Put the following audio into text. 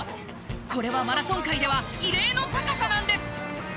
これはマラソン界では異例の高さなんです。